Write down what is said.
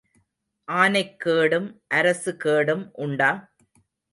ஆனைக் கேடும் அரசு கேடும் உண்டா?